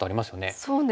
そうですね。